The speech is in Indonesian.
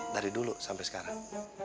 dari dulu sampe sekarang